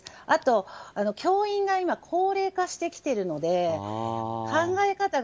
あと、教員が高齢化してきているので考え方